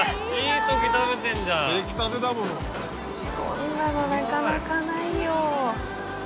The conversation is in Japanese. こんなのなかなかないよ。